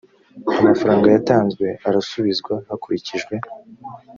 amafaranga yatanzwe arasubizwa hakurikijwe